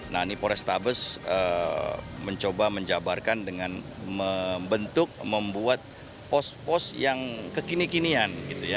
nah ini polres tables mencoba menjabarkan dengan membentuk membuat pos pos yang kekinian kinian